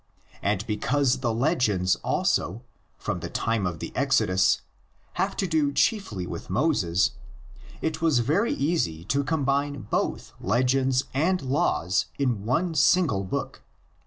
And because 160 THE LEGENDS OF GENESIS. the legends also, from the time of the Exodus, have to do chiefly with Moses, it was very easy to com bine both legends and laws in one single book.